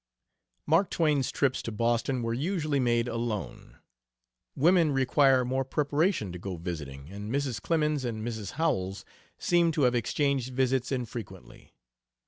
Mark Twain's trips to Boston were usually made alone. Women require more preparation to go visiting, and Mrs. Clemens and Mrs. Howells seem to have exchanged visits infrequently.